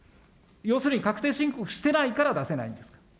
要するに確定申告してないから出せないんですか。